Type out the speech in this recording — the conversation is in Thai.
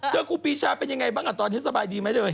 เจอกรูปีชาเป็นอย่างไรบ้างตอนที่สบายดีไหมด้วย